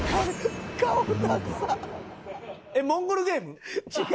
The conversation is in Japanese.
えっモンゴルゲーム？